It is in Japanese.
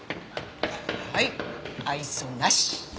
はい愛想なし。